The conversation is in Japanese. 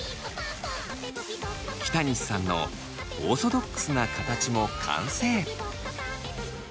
北西さんのオーソドックスな形も完成。